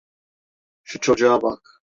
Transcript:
Şu çocuğa bak.